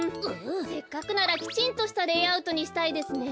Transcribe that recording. せっかくならきちんとしたレイアウトにしたいですね。